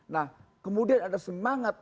nah kemudian ada semangat